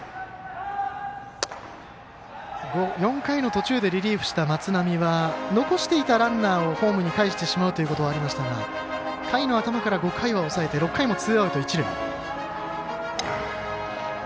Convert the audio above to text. ４回の途中でリリーフした松波は残していたランナーをホームにかえしてしまうということはありましたが回の頭から５回を抑えて６回もツーアウト、一塁。